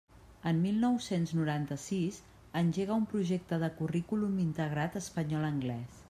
En mil nou-cents noranta-sis, engega un projecte de currículum integrat espanyol anglés.